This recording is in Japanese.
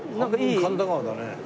半分『神田川』だね。